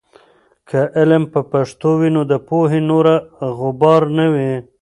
که علم په پښتو وي، نو د پوهې نوره غبار نه وي.